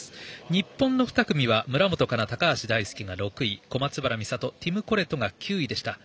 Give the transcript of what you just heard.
日本の２組は村元哉中、高橋大輔が６位小松原美里、ティム・コレトが９位でした。